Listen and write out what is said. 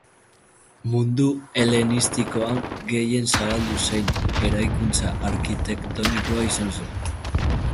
Mundu helenistikoan gehien zabaldu zein eraikuntza arkitektonikoa izan zen.